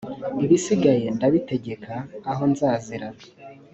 ibisigaye nzabitegeka aho nzazira